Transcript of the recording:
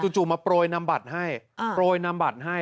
จู่มาโปรยนำบัตรให้โปรยนำบัตรให้